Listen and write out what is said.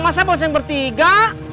masa bosen bertiga